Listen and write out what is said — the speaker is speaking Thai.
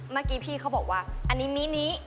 เมื่อกี้พี่เขาบอกว่าอันนี้มินิ